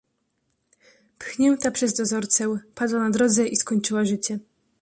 pchnięta przez dozorcę, padła na drodze i skończyła życie.